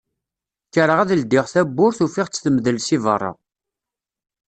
Kkreɣ ad ldiɣ tawwurt ufiɣ-tt temdel si berra.